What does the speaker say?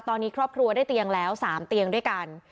ตอนนี้ครอบครัวได้เตียงแล้ว๓เตียงด้วยกัน